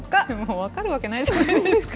分かるわけないじゃないですか。